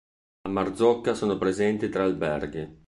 A Marzocca sono presenti tre alberghi.